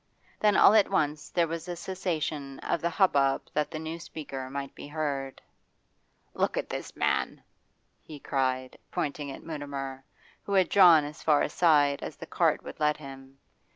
Then all at once there was a cessation of the hubbub that the new speaker might be heard. 'Look at this man!' he cried, pointing at Mutimer, who had drawn as far aside as the cart would let him.